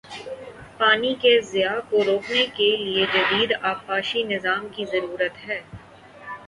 پانی کے ضیاع کو روکنے کے لیے جدید آبپاشی نظام کی ضرورت ہے